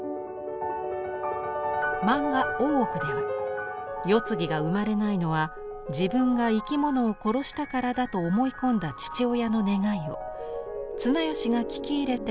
漫画「大奥」では「世継ぎが生まれないのは自分が生き物を殺したからだ」と思い込んだ父親の願いを綱吉が聞き入れて発令します。